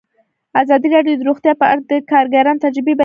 ازادي راډیو د روغتیا په اړه د کارګرانو تجربې بیان کړي.